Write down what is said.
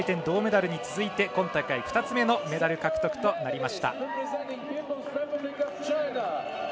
銅メダルに続いて今大会２つ目のメダル獲得となりました。